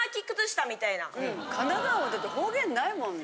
神奈川もだって方言ないもんね。